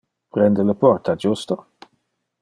Prende le porta, justo?